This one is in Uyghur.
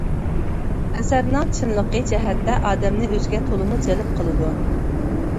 ئەسەرنىڭ چىنلىقى جەھەتتە ئادەمنى ئۆزىگە تولىمۇ جەلپ قىلىدۇ.